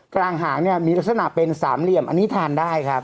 กลางหางเนี่ยมีลักษณะเป็นสามเหลี่ยมอันนี้ทานได้ครับ